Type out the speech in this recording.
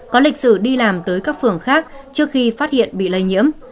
có lịch sử đi làm tới các phường khác trước khi phát hiện bị lây nhiễm